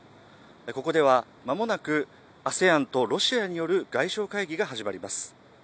ここでは、まもなくＡＳＥＡＮとロシアによる外相会議が始まります。